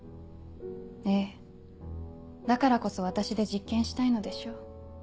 ええだからこそ私で実験したいのでしょう？